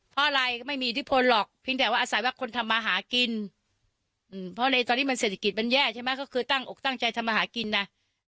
เพราะอะไรก็ไม่มีอิทธิพลหรอกเพียงแต่ว่าอาศัยว่าคนทำมาหากินเพราะในตอนนี้มันเศรษฐกิจมันแย่ใช่ไหมก็คือตั้งอกตั้งใจทำมาหากินนะ